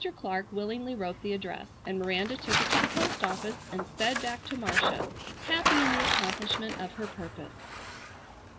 Clark willingly wrote the address, and Miranda took it to the post office, and sped back to Marcia, happy in the accomplishment of her purpose.